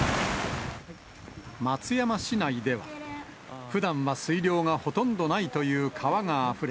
松山市内では、ふだんは水量がほとんどないという川があふれ。